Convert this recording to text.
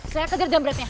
saya kejar jamretnya